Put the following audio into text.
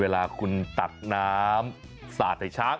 เวลาคุณตัดน้ำสาดไฮชัก